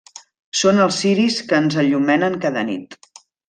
Són els ciris que ens enllumenen cada nit.